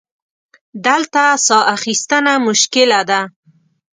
دلته سا اخیستنه مشکله ده.